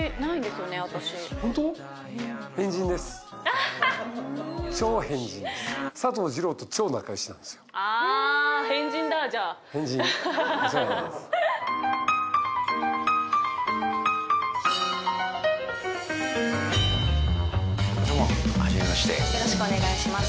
よろしくお願いします。